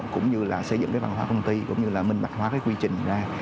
cũng như là xây dựng cái văn hóa công ty cũng như là minh bạch hóa cái quy trình ra